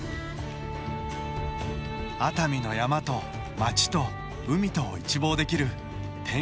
熱海の山と街と海とを一望できる天空の露天風呂。